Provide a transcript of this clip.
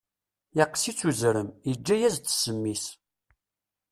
Yeqqes-itt uzrem, yeǧǧa-yas ssem-is.